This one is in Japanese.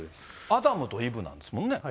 アダムとイブなんですもんね。